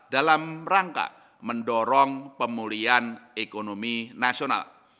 dalam rangka mendorong pemulihan ekonomi nasional